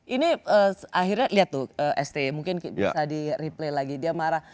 ini akhirnya lihat tuh sti mungkin bisa di replay lagi dia marah